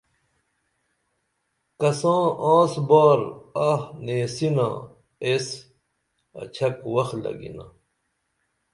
کساں آنس بار آہ نیسنہ ایس اڇھک وخ لگِنا